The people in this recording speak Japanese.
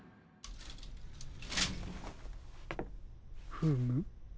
フム？